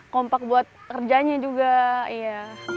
kompak buat kerjanya juga iya